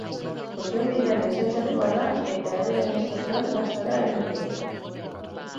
Zuzenbidean lizentziatua da eta Herri Administrazioan masterra egin du.